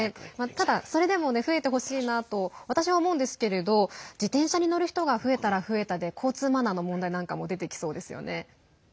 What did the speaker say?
ただ、それでも増えてほしいなと私は思うんですけれど自転車に乗る人が増えたら増えたで交通マナーの問題なんかも出てきそうですよね。